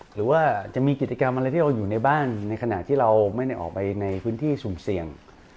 หรือว่าจะมีกิจกรรมอะไรที่เราอยู่ในบ้านในขณะที่เราไม่ได้ออกไปในพื้นที่สุ่มเสี่ยง